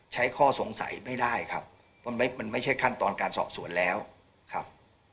ข้อสงสัยไม่ได้ครับเพราะมันไม่ใช่ขั้นตอนการสอบสวนแล้วครับ